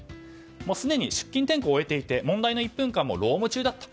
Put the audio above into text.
すでに出勤・点呼を終えていて問題の１分間も労務中だった。